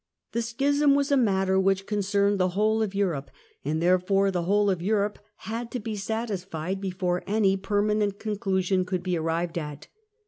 The Schism was a matter which concerned the whole Causes of of Europe, and therefore the whole of Europe had to contimf be satisfied before any permanent conclusion could be g^^^j^^ ^'^'^ arrived at.